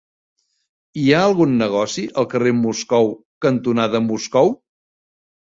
Hi ha algun negoci al carrer Moscou cantonada Moscou?